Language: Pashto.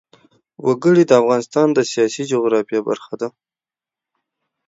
وګړي د افغانستان د سیاسي جغرافیه برخه ده.